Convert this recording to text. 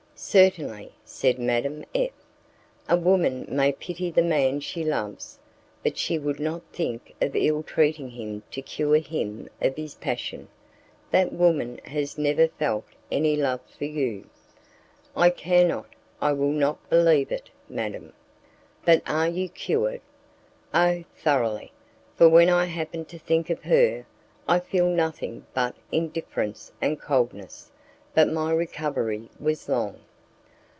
"Certainly," said Madame F , "a woman may pity the man she loves, but she would not think of ill treating him to cure him of his passion. That woman has never felt any love for you." "I cannot, I will not believe it, madam." "But are you cured?" "Oh! thoroughly; for when I happen to think of her, I feel nothing but indifference and coldness. But my recovery was long."